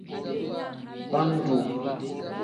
Bendu.